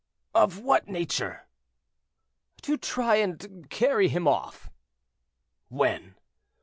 "Of what nature?" "To try and carry him off." "When?"